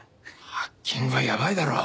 ハッキングはやばいだろ。